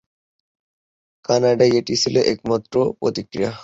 কানাডায় এটাই ছিল একমাত্র প্রতিক্রিয়া।